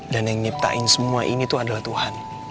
dan yang nyiptain semua ini tuh adalah tuhan